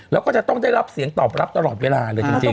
แล้วก็จะต้องได้รับเสียงตอบรับตลอดเวลาเลยจริง